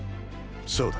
そうだ。